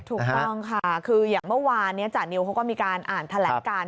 ถูกต้องค่ะคืออย่างเมื่อวานนี้จานิวเขาก็มีการอ่านแถลงการ